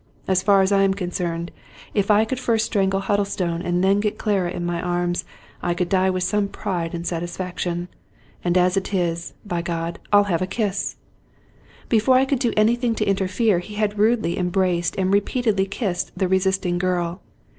As far as I am concerned, if I could first strangle Huddlestone and then get Clara in my arms, I could die with some pride and satisfaction. And as it is, by God, FU have a kiss !" Before I could do anything to interfere, he had rudely embraced and repeatedly kissed the resisting girl.